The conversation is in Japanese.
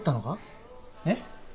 えっ？